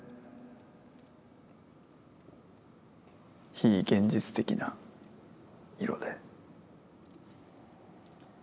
非現実的な色で。